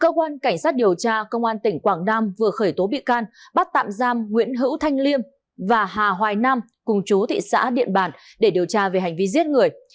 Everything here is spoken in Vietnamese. cơ quan cảnh sát điều tra công an tỉnh quảng nam vừa khởi tố bị can bắt tạm giam nguyễn hữu thanh liêm và hà hoài nam cùng chú thị xã điện bàn để điều tra về hành vi giết người